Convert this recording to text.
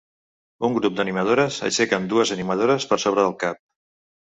Un grup d'animadores aixequen dues animadores per sobre el cap.